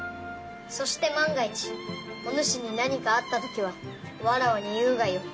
そして万が一おぬしに何かあった時はわらわに言うがよい。